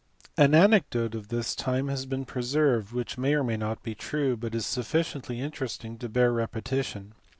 An anecdote of this time has been preserved, which may or may not be true, but is sufficiently interesting to bear repetition.